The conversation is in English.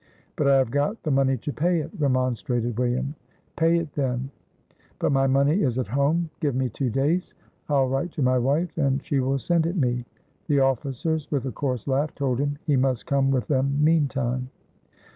"But I have got the money to pay it," remonstrated William. "Pay it, then." "But my money is at home, give me two days. I'll write to my wife and she will send it me." The officers, with a coarse laugh, told him he must come with them meantime.